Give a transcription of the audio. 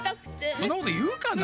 そんなこと言うかな？